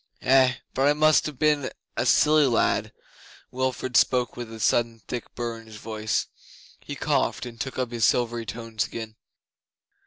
Eh, but I must ha' been a silly lad.' Wilfrid spoke with a sudden thick burr in his voice. He coughed, and took up his silvery tones again.